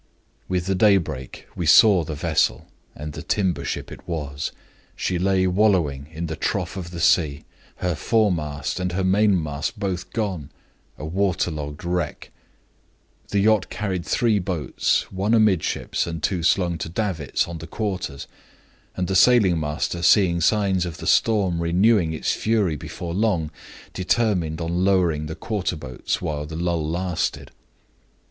"With the daybreak we saw the vessel, and the timber ship it was. She lay wallowing in the trough of the sea, her foremast and her mainmast both gone a water logged wreck. The yacht carried three boats; one amidships, and two slung to davits on the quarters; and the sailing master, seeing signs of the storm renewing its fury before long, determined on lowering the quarter boats while the lull lasted.